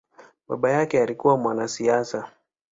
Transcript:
Baba yake alikua mwanasiasa.